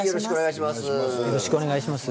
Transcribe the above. よろしくお願いします。